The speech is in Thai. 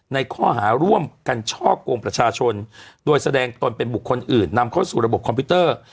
ในข้อหาร่วมกันช่อกงประชาชนโดยแสดงตนเป็นบุคคลอื่นนำเข้าสู่ระบบคอมพิวเตอร์